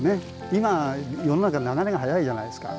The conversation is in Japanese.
今世の中流れが速いじゃないですか。